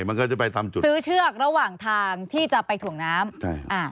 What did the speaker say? ทางที่จะไปถวงน้ำ